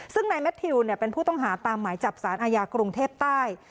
ซึ่งนายแมททิวเป็นผู้ต้องหาตามหมายจับสารอาญากรุงเทพใต้